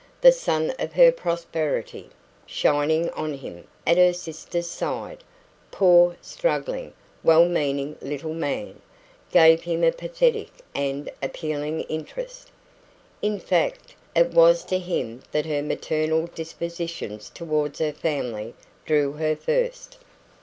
The sun of her prosperity, shining on him at her sister's side poor, struggling, well meaning little man! gave him a pathetic and appealing interest. In fact, it was to him that her maternal dispositions towards her family drew her first.